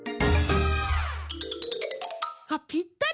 あっぴったり！